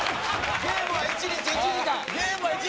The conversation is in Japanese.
ゲームは１日１時間。